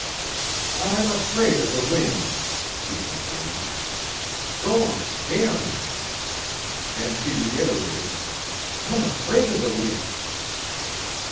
"I'm afraid of the wind," she complained. "Sto'ms scah me." And she reiterated: "I'm afraid of the wind!"